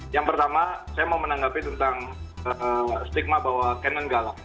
yang pertama saya mau menanggapi tentang stigma bahwa cannon galak